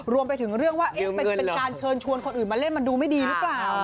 รวมไปถึงเรื่องว่าเป็นการเชิญชวนคนอื่นมาเล่นมันดูไม่ดีหรือเปล่า